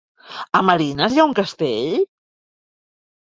A Marines hi ha un castell?